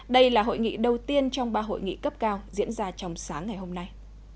đây là hội nghị đầu tiên trong ba hội nghị cấp cao diễn ra trong sáng ngày hôm nay